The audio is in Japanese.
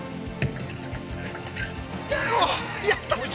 やった！